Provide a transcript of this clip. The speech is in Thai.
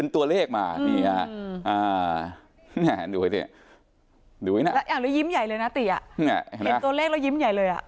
ตัวเลขมาหมายให้ดูเอาในกลัวเลยหนาตัวเลขอย้างมายละ